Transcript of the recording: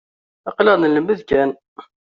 Aql-aɣ nlemmed kan.